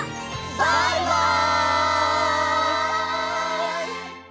バイバイ！